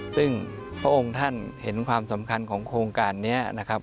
ซึ่งพระองค์ท่านเห็นความสำคัญของโครงการนี้นะครับ